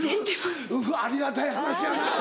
うわありがたい話やな。